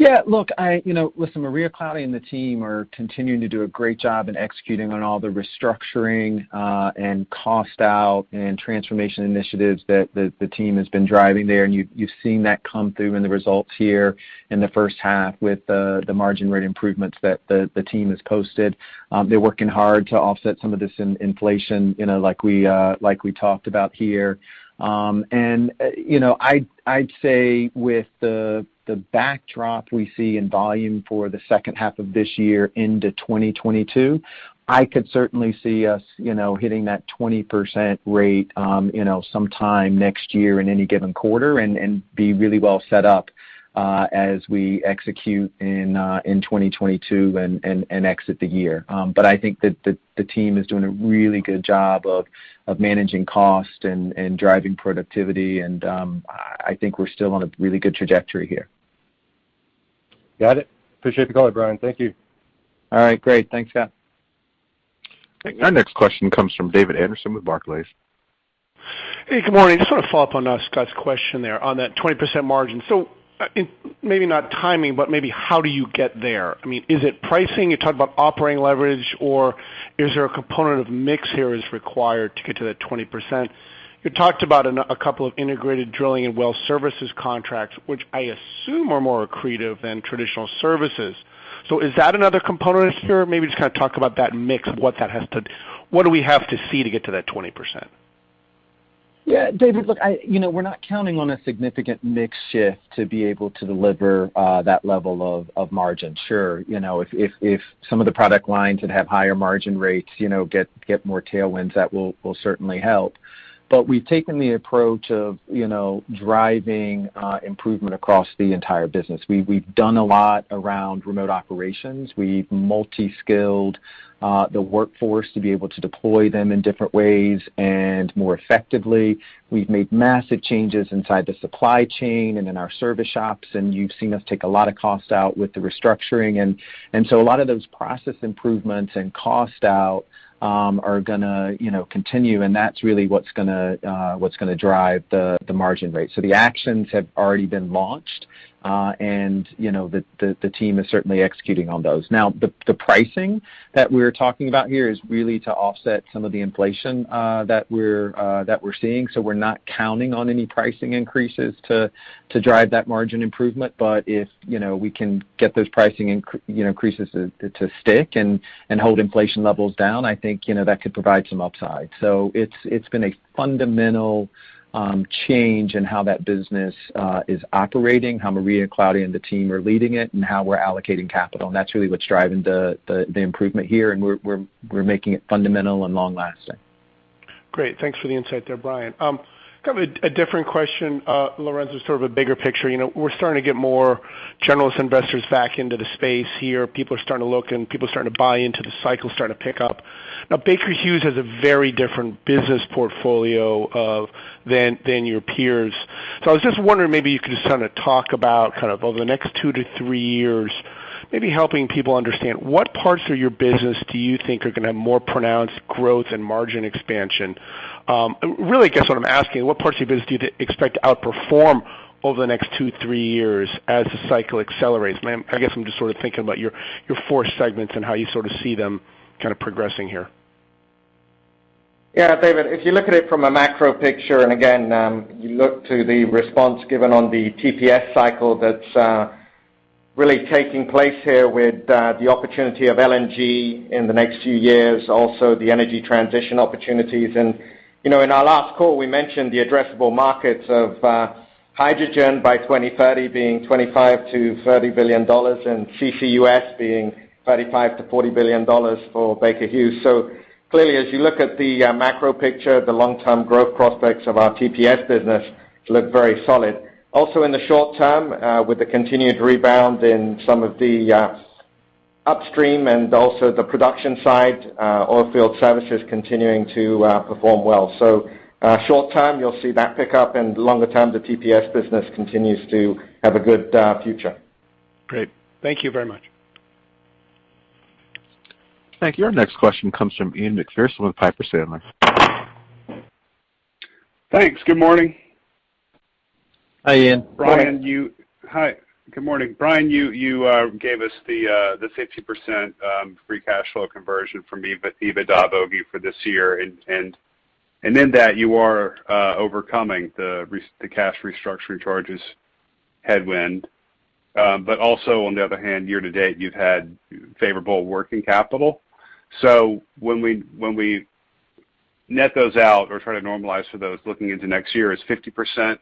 G: OFS?
D: Listen, Maria Claudia and the team are continuing to do a great job in executing on all the restructuring and cost out and transformation initiatives that the team has been driving there. You've seen that come through in the results here in the H1 with the margin rate improvements that the team has posted. They're working hard to offset some of this inflation like we talked about here. I'd say with the backdrop we see in volume for the H2 of this year into 2022, I could certainly see us hitting that 20% rate sometime next year in any given quarter and be really well set up as we execute in 2022 and exit the year. I think that the team is doing a really good job of managing cost and driving productivity, and I think we're still on a really good trajectory here.
G: Got it. Appreciate the color, Brian. Thank you.
D: All right, great. Thanks, Scott.
A: Our next question comes from David Anderson with Barclays.
H: Hey, good morning. I just want to follow up on Scott's question there on that 20% margin. Maybe not timing, but maybe how do you get there? Is it pricing? You talked about operating leverage, or is there a component of mix here is required to get to that 20%? You talked about a couple of integrated drilling and well services contracts, which I assume are more accretive than traditional services. Is that another component here? Maybe just talk about that mix of what do we have to see to get to that 20%?
D: David, look, we're not counting on a significant mix shift to be able to deliver that level of margin. Sure, if some of the product lines that have higher margin rates get more tailwinds, that will certainly help. We've taken the approach of driving improvement across the entire business. We've done a lot around remote operations. We multi-skilled the workforce to be able to deploy them in different ways and more effectively. We've made massive changes inside the supply chain and in our service shops, you've seen us take a lot of cost out with the restructuring. A lot of those process improvements and cost out are going to continue, and that's really what's going to drive the margin rate. The actions have already been launched, and the team is certainly executing on those. The pricing that we're talking about here is really to offset some of the inflation that we're seeing. We're not counting on any pricing increases to drive that margin improvement. If we can get those pricing increases to stick and hold inflation levels down, I think that could provide some upside. It's been a fundamental change in how that business is operating, how Maria Claudia and the team are leading it, and how we're allocating capital. That's really what's driving the improvement here, and we're making it fundamental and long-lasting.
H: Great. Thanks for the insight there, Brian. Kind of a different question, Lorenzo, sort of a bigger picture. We're starting to get more generalist investors back into the space here. People are starting to look, and people are starting to buy into the cycle starting to pick up. Baker Hughes has a very different business portfolio than your peers. I was just wondering maybe you could just kind of talk about kind of over the next two to three years, maybe helping people understand what parts of your business do you think are going to have more pronounced growth and margin expansion? Really, I guess what I'm asking, what parts of your business do you expect to outperform over the next two, three years as the cycle accelerates? I guess I'm just sort of thinking about your four segments and how you sort of see them kind of progressing here.
C: David, if you look at it from a macro picture, and again, you look to the response given on the TPS cycle that's really taking place here with the opportunity of LNG in the next few years, also the energy transition opportunities. In our last call, we mentioned the addressable markets of hydrogen by 2030 being $25 billion-$30 billion, and CCUS being $35 billion-$40 billion for Baker Hughes. Clearly, as you look at the macro picture, the long-term growth prospects of our TPS business look very solid. In the short term, with the continued rebound in some of the upstream and also the production side, oil field services continuing to perform well. Short term, you'll see that pick up, and longer term, the TPS business continues to have a good future.
H: Great. Thank you very much.
A: Thank you. Our next question comes from Ian Macpherson with Piper Sandler.
I: Thanks. Good morning.
C: Hi, Ian.
I: Brian, hi, good morning. Brian, you gave us the 50% free cash flow conversion from EBITDA view for this year, and in that, you are overcoming the cash restructuring charges headwind. Also, on the other hand, year to date, you've had favorable working capital. When we net those out or try to normalize for those looking into next year, is 50%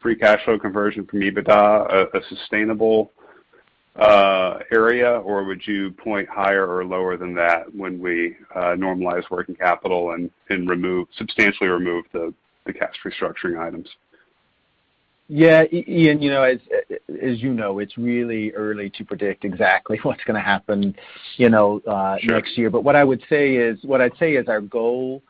I: free cash flow conversion from EBITDA a sustainable area, or would you point higher or lower than that when we normalize working capital and substantially remove the cash restructuring items?
D: Yeah. Ian, as you know, it's really early to predict exactly what's going to happen next year.
I: Sure.
D: What I would say is our goal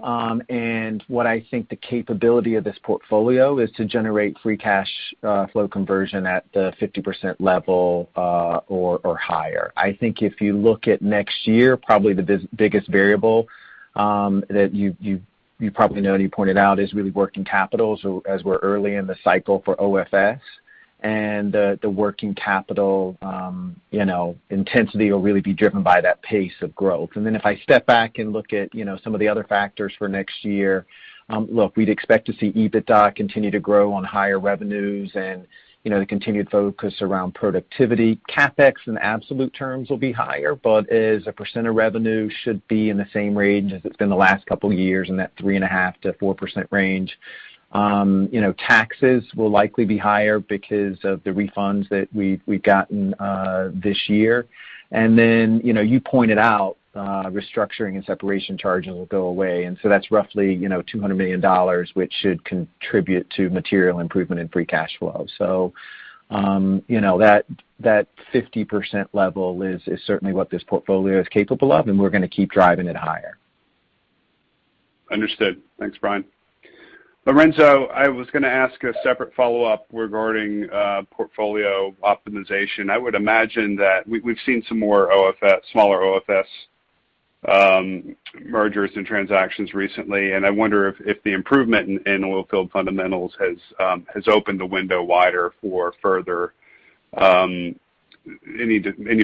D: and what I think the capability of this portfolio is to generate free cash flow conversion at the 50% level or higher. I think if you look at next year, probably the biggest variable that you probably know, and you pointed out, is really working capital. As we're early in the cycle for OFS and the working capital intensity will really be driven by that pace of growth. If I step back and look at some of the other factors for next year, look, we'd expect to see EBITDA continue to grow on higher revenues and the continued focus around productivity. CapEx in absolute terms will be higher, but as a percent of revenue should be in the same range as it's been the last couple of years in that 3.5%-4% range. Taxes will likely be higher because of the refunds that we've gotten this year. You pointed out restructuring and separation charges will go away, that's roughly $200 million, which should contribute to material improvement in free cash flow. That 50% level is certainly what this portfolio is capable of, and we're going to keep driving it higher.
I: Understood. Thanks, Brian. Lorenzo, I was going to ask a separate follow-up regarding portfolio optimization. I would imagine that we've seen some more smaller oilfield mergers and transactions recently, and I wonder if the improvement in oilfield fundamentals has opened the window wider for any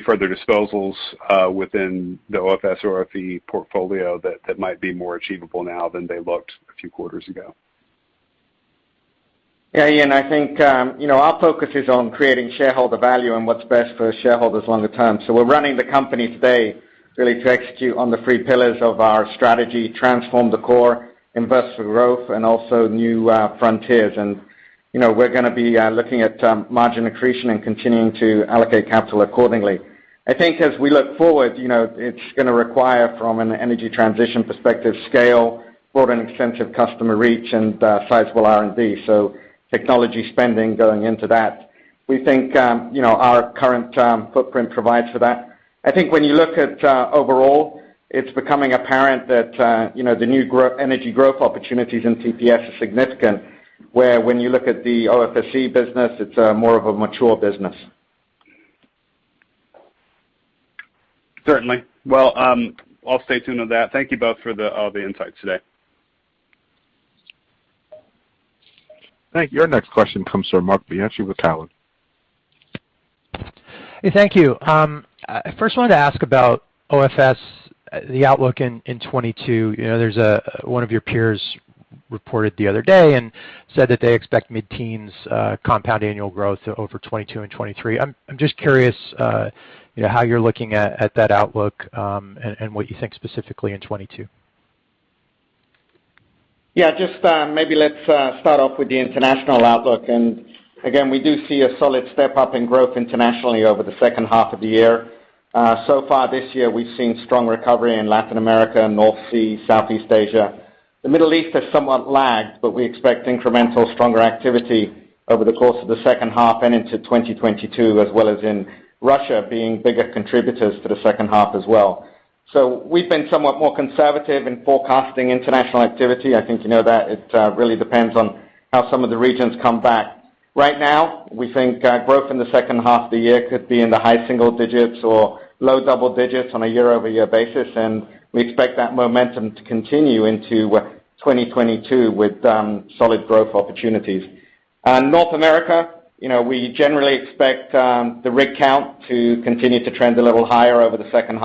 I: further disposals within the OFS or OFE portfolio that might be more achievable now than they looked a few quarters ago?
C: Yeah, Ian, I think our focus is on creating shareholder value and what's best for our shareholders longer term. We're running the company today really to execute on the three pillars of our strategy, transform the core, invest for growth, and also new frontiers. We're going to be looking at margin accretion and continuing to allocate capital accordingly. I think as we look forward, it's going to require, from an energy transition perspective, scale, broad and extensive customer reach, and sizeable R&D. Technology spending going into that. We think our current footprint provides for that. I think when you look at overall, it's becoming apparent that the new energy growth opportunities in TPS are significant. Where when you look at the OFSE business, it's more of a mature business.
I: Certainly. Well, I'll stay tuned on that. Thank you both for all the insights today.
A: Thank you. Your next question comes from Marc Bianchi with Cowen.
J: Hey, thank you. I first wanted to ask about OFS, the outlook in 2022. One of your peers reported the other day and said that they expect mid-teens compound annual growth over 2022 and 2023. I'm just curious how you're looking at that outlook, and what you think specifically in 2022?
C: Yeah. Just maybe let's start off with the international outlook. Again, we do see a solid step-up in growth internationally over the H2 of the year. So far this year, we've seen strong recovery in Latin America, North Sea, Southeast Asia. The Middle East has somewhat lagged, but we expect incremental stronger activity over the course of the H2 and into 2022, as well as in Russia being bigger contributors to the H2 as well. We've been somewhat more conservative in forecasting international activity. I think you know that. It really depends on how some of the regions come back. Right now, we think growth in the H2 of the year could be in the high single digits or low double digits on a YoY basis, and we expect that momentum to continue into 2022 with solid growth opportunities. North America, we generally expect the rig count to continue to trend a little higher over the H2,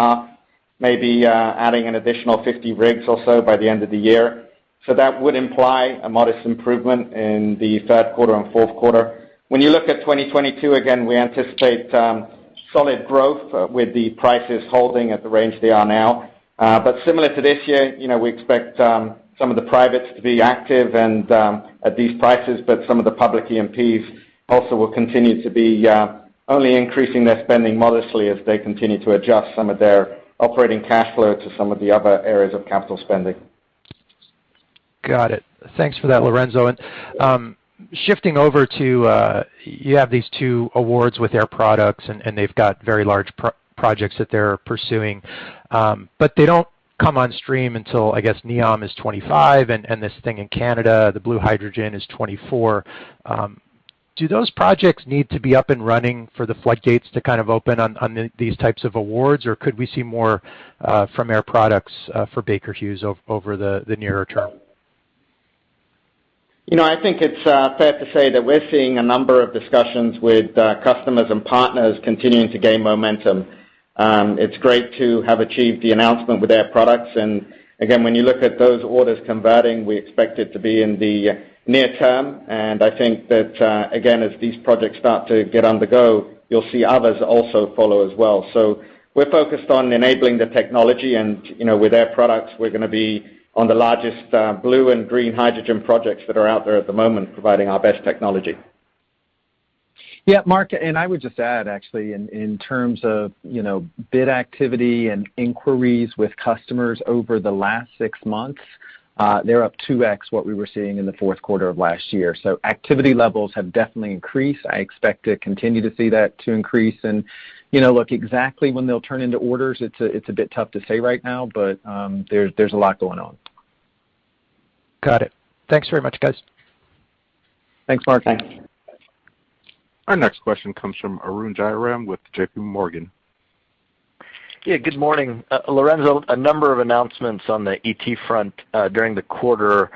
C: maybe adding an additional 50 rigs or so by the end of the year. That would imply a modest improvement in the Q3 and Q4. When you look at 2022, again, we anticipate solid growth with the prices holding at the range they are now. Similar to this year, we expect some of the privates to be active and at these prices, but some of the public E&Ps also will continue to be only increasing their spending modestly as they continue to adjust some of their operating cash flow to some of the other areas of capital spending.
J: Got it. Thanks for that, Lorenzo. Shifting over to, you have these two awards with Air Products, and they've got very large projects that they're pursuing. They don't come on stream until, I guess, NEOM is 2025, and this thing in Canada, the blue hydrogen, is 2024. Do those projects need to be up and running for the floodgates to kind of open on these types of awards, or could we see more from Air Products for Baker Hughes over the nearer term?
C: I think it's fair to say that we're seeing a number of discussions with customers and partners continuing to gain momentum. It's great to have achieved the announcement with Air Products. Again, when you look at those orders converting, we expect it to be in the near term. I think that, again, as these projects start to get on the go, you'll see others also follow as well. We're focused on enabling the technology, and with Air Products, we're going to be on the largest blue and green hydrogen projects that are out there at the moment, providing our best technology.
D: Yeah, Marc, I would just add actually, in terms of bid activity and inquiries with customers over the last six months, they're up 2x what we were seeing in the Q4 of last year. Activity levels have definitely increased. I expect to continue to see that to increase. Look, exactly when they'll turn into orders, it's a bit tough to say right now, but there's a lot going on.
J: Got it. Thanks very much, guys.
D: Thanks, Marc.
C: Thanks.
A: Our next question comes from Arun Jayaram with JPMorgan.
K: Yeah, good morning. Lorenzo, a number of announcements on the ET front during the quarter.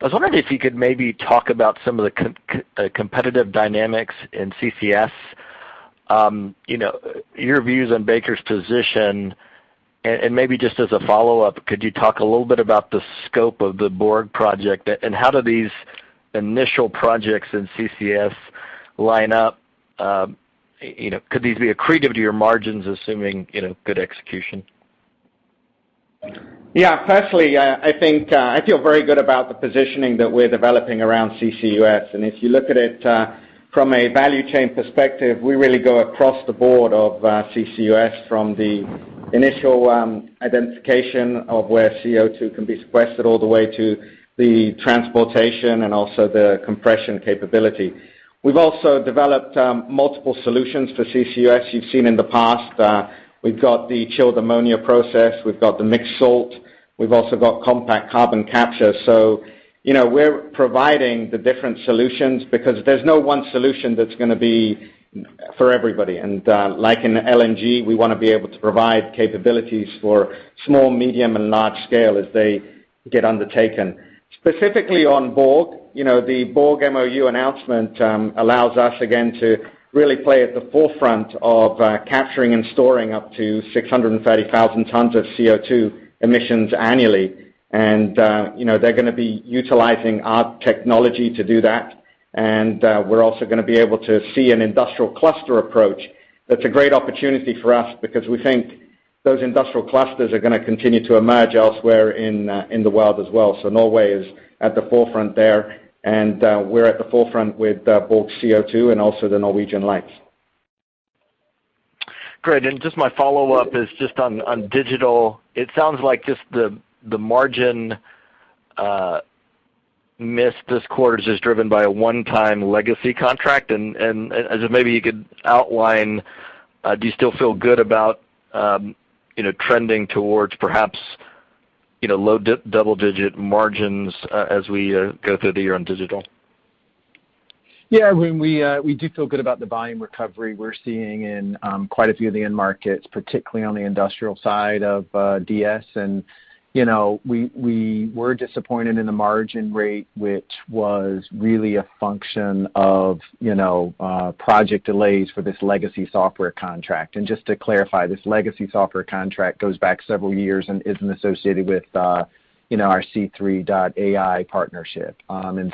K: I was wondering if you could maybe talk about some of the competitive dynamics in CCUS, your views on Baker's position, and maybe just as a follow-up, could you talk a little bit about the scope of the Borg project, and how do these initial projects in CCUS line up? Could these be accretive to your margins, assuming good execution?
C: Yeah. Firstly, I feel very good about the positioning that we're developing around CCUS. If you look at it from a value chain perspective, we really go across the board of CCUS from the initial identification of where CO2 can be sequestered, all the way to the transportation and also the compression capability. We've also developed multiple solutions for CCUS. You've seen in the past, we've got the chilled ammonia process, we've got the Mixed Salt Process. We've also got Compact Carbon Capture. We're providing the different solutions because there's no one solution that's going to be for everybody. Like in LNG, we want to be able to provide capabilities for small, medium, and large scale as they get undertaken. Specifically on Borg, the Borg MOU announcement allows us again to really play at the forefront of capturing and storing up to 630,000 tons of CO2 emissions annually. They're going to be utilizing our technology to do that. We're also going to be able to see an industrial cluster approach. That's a great opportunity for us because we think those industrial clusters are going to continue to emerge elsewhere in the world as well. Norway is at the forefront there, and we're at the forefront with Borg CO2 and also the Northern Lights.
K: Great. Just my follow-up is just on digital. It sounds like just the margin miss this quarter is just driven by a one-time legacy contract. As if maybe you could outline, do you still feel good about trending towards perhaps low double-digit margins as we go through the year on digital?
D: Yeah, I mean, we do feel good about the volume recovery we're seeing in quite a few of the end markets, particularly on the industrial side of DS. We were disappointed in the margin rate, which was really a function of project delays for this legacy software contract. Just to clarify, this legacy software contract goes back several years and isn't associated with our C3.ai partnership.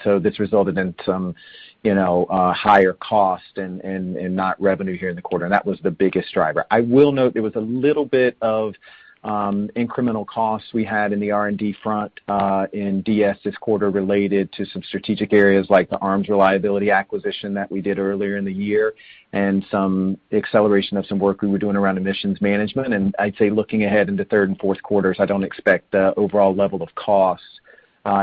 D: So this resulted in some higher cost and not revenue here in the quarter. That was the biggest driver. I will note there was a little bit of incremental costs we had in the R&D front in DS this quarter related to some strategic areas like the ARMS Reliability acquisition that we did earlier in the year, and some acceleration of some work we were doing around emissions management. I'd say looking ahead into third and Q4s, I don't expect the overall level of costs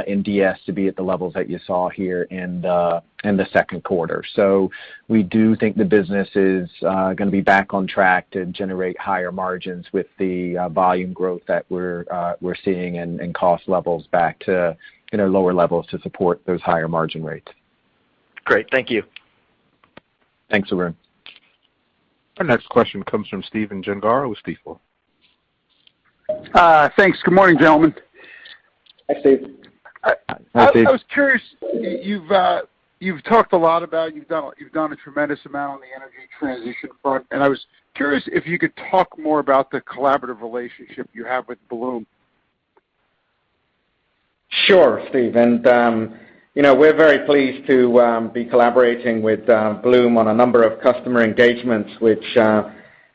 D: in DS to be at the levels that you saw here in the Q2. We do think the business is going to be back on track to generate higher margins with the volume growth that we're seeing and cost levels back to lower levels to support those higher margin rates.
K: Great. Thank you.
D: Thanks, Arun.
A: Our next question comes from Stephen Gengaro with Stifel.
L: Thanks. Good morning, gentlemen.
D: Hi, Stephen.
C: Hi, Stephen.
L: I was curious, you've talked a lot about you've done a tremendous amount on the energy transition front, and I was curious if you could talk more about the collaborative relationship you have with Bloom?
C: Sure, Stephen, we're very pleased to be collaborating with Bloom on a number of customer engagements, which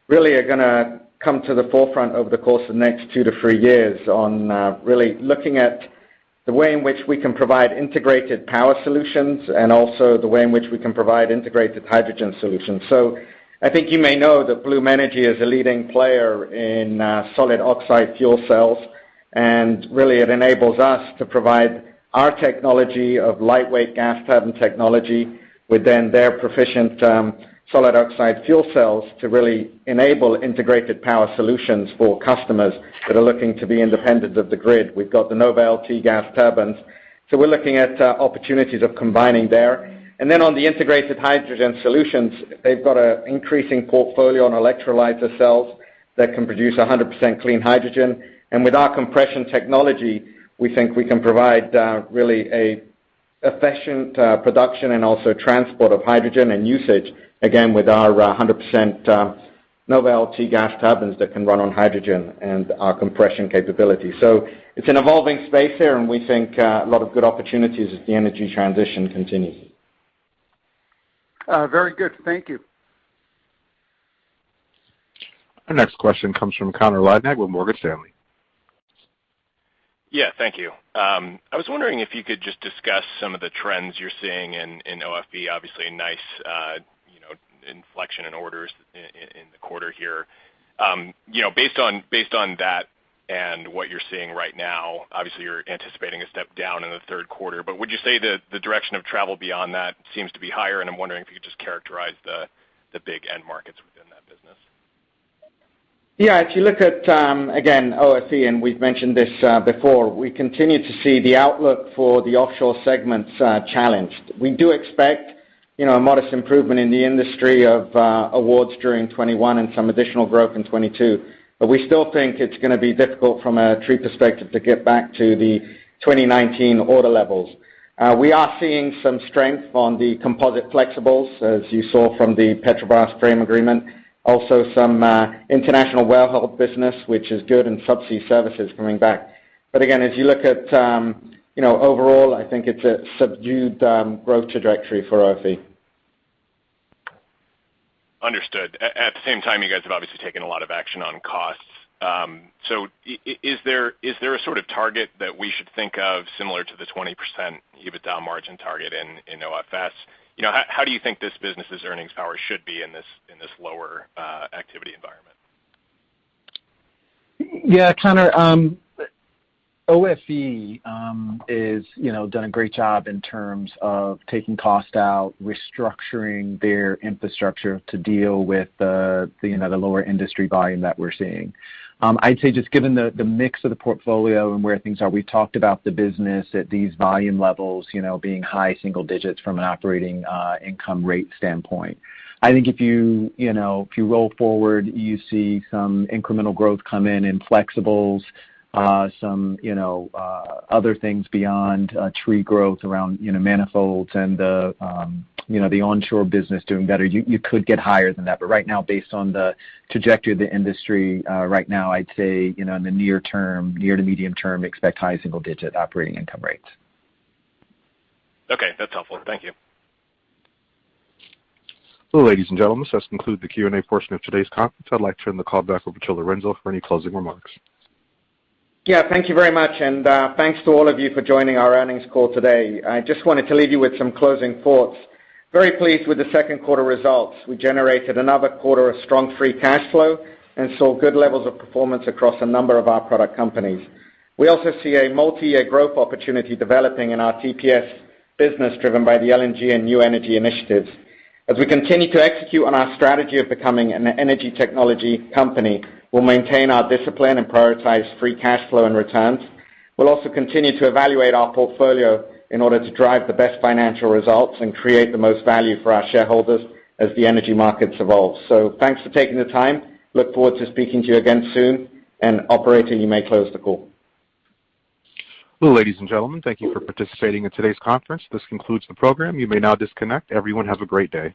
C: really are going to come to the forefront over the course of the next two to three years on really looking at the way in which we can provide integrated power solutions and also the way in which we can provide integrated hydrogen solutions. I think you may know that Bloom Energy is a leading player in solid oxide fuel cells, and really it enables us to provide our technology of lightweight gas turbine technology within their proficient solid oxide fuel cells to really enable integrated power solutions for customers that are looking to be independent of the grid. We've got the NovaLT gas turbines. We're looking at opportunities of combining there. On the integrated hydrogen solutions, they've got an increasing portfolio on electrolyzer cells that can produce 100% clean hydrogen. With our compression technology, we think we can provide really a efficient production and also transport of hydrogen and usage, again, with our 100% NovaLT gas turbines that can run on hydrogen and our compression capability. It's an evolving space there, and we think a lot of good opportunities as the Energy Transition continues.
L: Very good. Thank you.
A: Our next question comes from Connor Lynagh with Morgan Stanley.
M: Yeah, thank you. I was wondering if you could just discuss some of the trends you're seeing in OFE? Obviously, a nice inflection in orders in the quarter here. Based on that and what you're seeing right now, obviously, you're anticipating a step down in the Q3, but would you say the direction of travel beyond that seems to be higher? I'm wondering if you could just characterize the big end markets within that business?
C: Yeah, if you look at, again, OFE, and we've mentioned this before, we continue to see the outlook for the offshore segments challenged. We do expect a modest improvement in the industry of awards during 2021 and some additional growth in 2022. We still think it's going to be difficult from a trend perspective to get back to the 2019 order levels. We are seeing some strength on the composite flexibles, as you saw from the Petrobras frame agreement. Also some international wellhead business, which is good, and subsea services coming back. Again, if you look at overall, I think it's a subdued growth trajectory for OFE.
M: Understood. At the same time, you guys have obviously taken a lot of action on costs. Is there a sort of target that we should think of similar to the 20% EBITDA margin target in OFS? How do you think this business's earnings power should be in this lower activity environment?
D: Connor, OFE has done a great job in terms of taking cost out, restructuring their infrastructure to deal with the lower industry volume that we're seeing. I'd say just given the mix of the portfolio and where things are, we talked about the business at these volume levels being high single digits from an operating income rate standpoint. I think if you roll forward, you see some incremental growth come in in flexibles, some other things beyond tree growth around manifolds and the onshore business doing better. You could get higher than that. Right now, based on the trajectory of the industry right now, I'd say, in the near term, near to medium term, expect high single-digit operating income rates.
M: Okay, that's helpful. Thank you.
A: Ladies and gentlemen, this concludes the Q&A portion of today's conference. I'd like to turn the call back over to Lorenzo for any closing remarks.
C: Thank you very much, and thanks to all of you for joining our earnings call today. I just wanted to leave you with some closing thoughts. Very pleased with the Q2 results. We generated another quarter of strong free cash flow and saw good levels of performance across a number of our product companies. We also see a multi-year growth opportunity developing in our TPS business, driven by the LNG and new energy initiatives. As we continue to execute on our strategy of becoming an energy technology company, we'll maintain our discipline and prioritize free cash flow and returns. We'll also continue to evaluate our portfolio in order to drive the best financial results and create the most value for our shareholders as the energy markets evolve. Thanks for taking the time. Look forward to speaking to you again soon. Operator, you may close the call.
A: Well, ladies and gentlemen, thank you for participating in today's conference. This concludes the program. You may now disconnect. Everyone, have a great day.